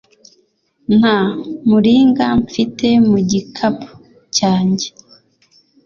Nta muringa mfite mu gikapu cyanjye